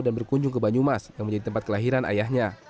dan berkunjung ke banyumas yang menjadi tempat kelahiran ayahnya